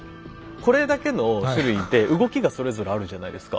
これだけの種類いて動きがそれぞれあるじゃないですか。